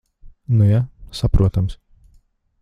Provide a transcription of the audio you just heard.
Nu ja. Saprotams.